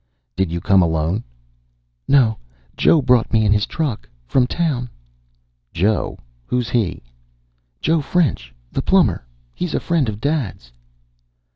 "Did you come alone?" "No. Joe brought me in his truck. From town." "Joe? Who's he?" "Joe French. The plumber. He's a friend of Dad's."